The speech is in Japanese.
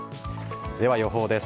では、予報です。